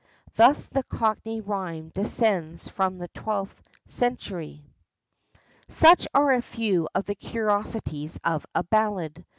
Thus the cockney rhyme descends from the twelfth century. Such are a few of the curiosities of the ballad.